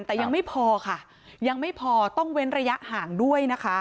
แต่ยังไม่พอค่ะยังไม่พอต้องเว้นระยะห่างด้วยนะคะ